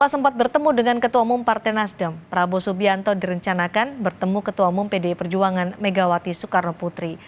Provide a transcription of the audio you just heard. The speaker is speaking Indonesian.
sempat bertemu dengan ketua umum partai nasdem prabowo subianto direncanakan bertemu ketua umum pdi perjuangan megawati soekarno putri